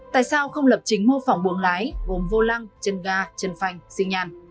tại sao không lập chính mô phỏng buồng lái gồm vô lăng chân ga chân phanh xinh nhàn